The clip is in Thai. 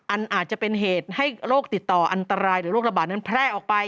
อาจจะเป็นเหตุให้โรคติดต่ออันตรายหรือโรคระบาดนั้นแพร่ออกไป